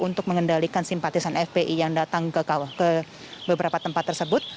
untuk mengendalikan simpatisan fpi yang datang ke beberapa tempat tersebut